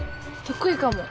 得意かも。